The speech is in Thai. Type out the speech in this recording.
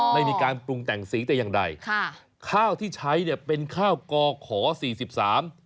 ไม่มีการปรุงแต่งสีแต่อย่างใดค่ะข้าวที่ใช้เนี่ยเป็นข้าวก่อขอสี่สิบสาม